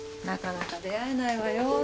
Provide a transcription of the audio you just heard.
なかなか出会えないわよ。